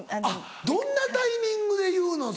どんなタイミングで言うの？